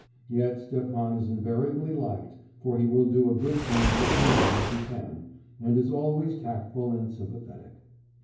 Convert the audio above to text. Yet Stepan is invariably liked, for he will do a good turn for anyone if he can, and is always tactful and sympathetic.